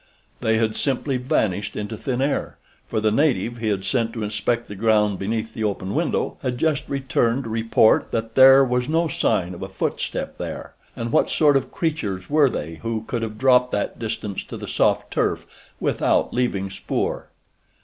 They had simply vanished into thin air, for the native he had sent to inspect the ground beneath the open window had just returned to report that there was no sign of a footstep there, and what sort of creatures were they who could have dropped that distance to the soft turf without leaving spoor?